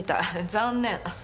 残念。